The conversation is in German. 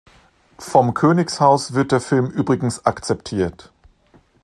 Vom Königshaus wird der Film übrigens akzeptiert.